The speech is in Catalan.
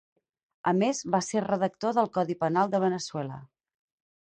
A més va ser redactor del codi penal de Veneçuela.